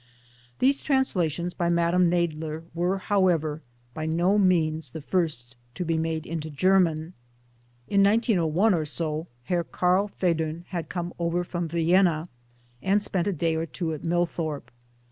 These translations by Madame Nadler were, how ever, by no means the first to be made into German. In 1901 or so Herr Karl Federn had come over from Vienna and spent a day or two at Millthorpe.